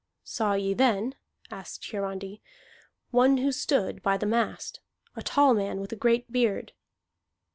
"Saw ye then," asked Hiarandi, "one who stood by the mast, a tall man with a great beard?"